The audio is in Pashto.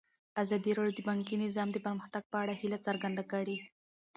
ازادي راډیو د بانکي نظام د پرمختګ په اړه هیله څرګنده کړې.